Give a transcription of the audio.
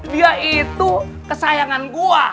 dia itu kesayangan gua